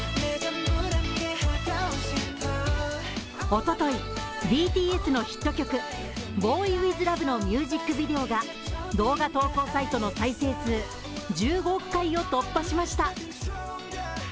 おとといＢＴＳのヒット曲、「ＢｏｙＷｉｔｈＬｕｖ」のミュージックビデオが動画投稿サイトの再生数１５億回を突破しました。